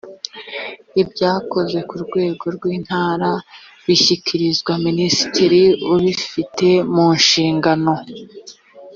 ibyakozwe ku rwego rw’ intara bishyikirizwa minisitiri ubifite mu nshingano